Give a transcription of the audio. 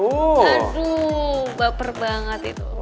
aduu baper banget itu